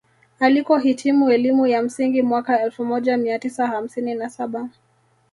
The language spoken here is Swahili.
Alikohitimu elimu ya msingi mwaka elfu moja mia tisa hamsini na saba